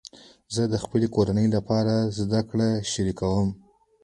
زه د خپلې کورنۍ لپاره زده کړه شریکوم.